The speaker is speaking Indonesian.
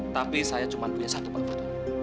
tapi saya cuma punya satu pak foto